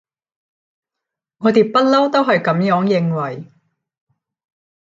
我哋不溜都係噉樣認為